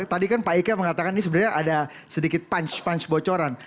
tadi kan pak ika mengatakan ini sebenarnya ada sedikit punch punch bocoran